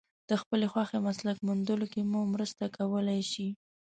د خپلې خوښې مسلک موندلو کې مو مرسته کولای شي.